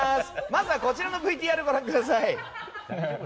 まずは、こちらのＶＴＲご覧ください。